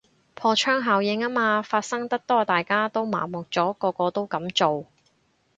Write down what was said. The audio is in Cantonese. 破窗效應吖嘛，發生得多大家都麻木咗，個個都噉做